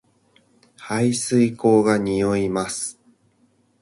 排水溝が臭います